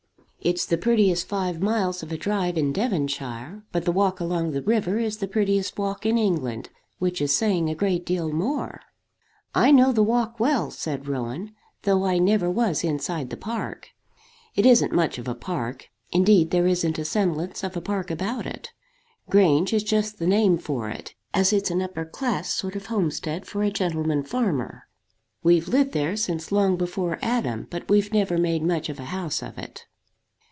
It's the prettiest five miles of a drive in Devonshire; but the walk along the river is the prettiest walk in England, which is saying a great deal more." "I know the walk well," said Rowan, "though I never was inside the park." "It isn't much of a park. Indeed there isn't a semblance of a park about it. Grange is just the name for it, as it's an upper class sort of homestead for a gentleman farmer. We've lived there since long before Adam, but we've never made much of a house of it."